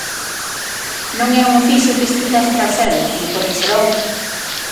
Non é un oficio que estudas para selo, como poden ser outros.